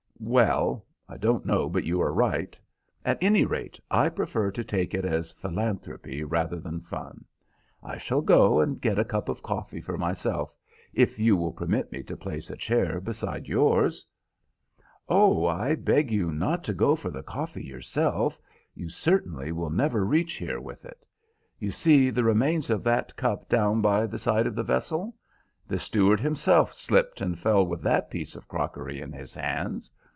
"Well, I don't know but you are right. At any rate, I prefer to take it as philanthropy rather than fun. I shall go and get a cup of coffee for myself, if you will permit me to place a chair beside yours?" "Oh, I beg you not to go for the coffee yourself. You certainly will never reach here with it. You see the remains of that cup down by the side of the vessel. The steward himself slipped and fell with that piece of crockery in his hands.